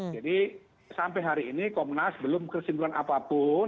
jadi sampai hari ini komnas belum kesimpulan apapun